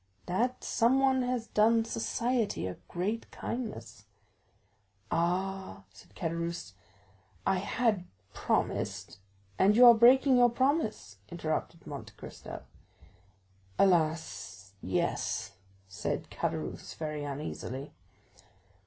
"That someone has done society a great kindness." "Ah," said Caderousse, "I had promised——" "And you are breaking your promise!" interrupted Monte Cristo. "Alas, yes!" said Caderousse very uneasily.